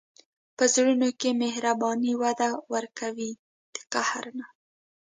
په زړونو کې مهرباني وده ورکوي، د قهر نه.